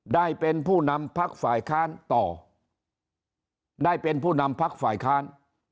ได้เป็นผู้นำพักฝ่ายค้านต่อได้เป็นผู้นำพักฝ่ายค้าน